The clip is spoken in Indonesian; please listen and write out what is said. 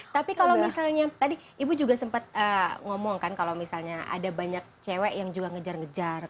tapi kalau misalnya tadi ibu juga sempat ngomong kan kalau misalnya ada banyak cewek yang juga ngejar ngejar